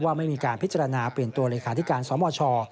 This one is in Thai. ไม่มีการพิจารณาเปลี่ยนตัวเลขาธิการสมช